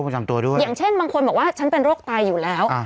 อย่างเช่นบางคนบอกว่าฉันเป็นโรคตายอยู่แล้ว